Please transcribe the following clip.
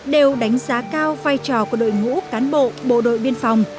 đều đánh giá cao vai trò của đội ngũ cán bộ bộ đội biên phòng